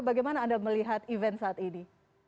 bagaimana anda melihat event saat ini